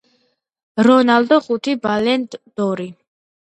რონალდო ხუთი ბალენდ დორი